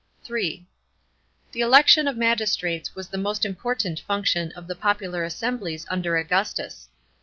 (3) The election of magistrates was the most important function of the popular assemblies under Augustus.